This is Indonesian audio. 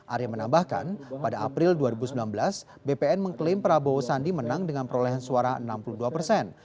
arya menambahkan pada april dua ribu sembilan belas bpn mengklaim prabowo sandi menang dengan perolehan suara enam puluh dua persen